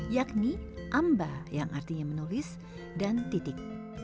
yakni amba yang artinya menulis dan titik